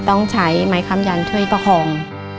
ต้องใช้ไม้คำยันช่วยประคอง